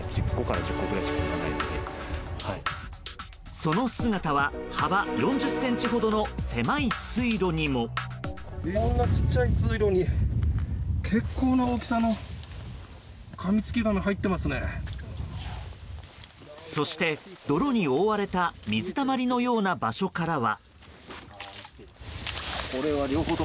その姿は、幅４０ｃｍほどの狭い水路にも。そして泥に覆われた水たまりのような場所からは。